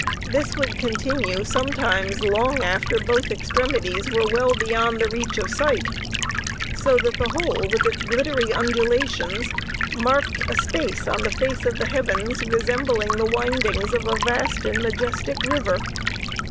This would continue sometimes long after both extremities were beyond the reach of sight, so that the whole, with its glittery undulations, marked a space on the face of the heavens resembling the windings of a vast and majestic river.